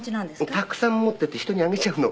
たくさん持っていて人にあげちゃうの。